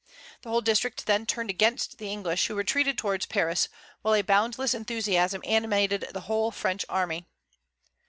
The whole district then turned against the English, who retreated towards Paris; while a boundless enthusiasm animated the whole French army.